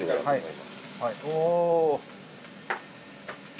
はい。